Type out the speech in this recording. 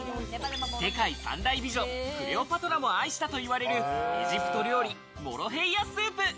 世界三大美女・クレオパトラも愛したと言われるエジプト料理、モロヘイヤスープ。